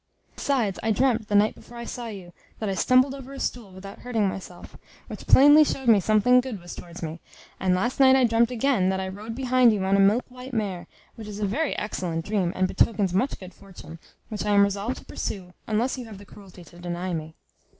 Besides, I dreamt, the night before I saw you, that I stumbled over a stool without hurting myself; which plainly showed me something good was towards me: and last night I dreamt again, that I rode behind you on a milk white mare, which is a very excellent dream, and betokens much good fortune, which I am resolved to pursue unless you have the cruelty to deny me."